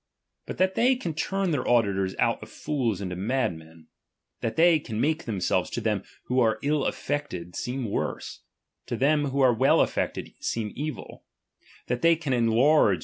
^H But that they can turn their auditors out of fools ^H into madmen ; that they can make things to them ^B who are ill aifected, seem worse, to them who are ^H well a£fected, seem evil ; that they can enlarge DOMINION.